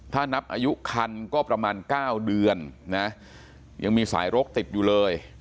ถ้านับอายุคันก็ประมาณ๙เดือนนะยังมีสายรกติดอยู่เลย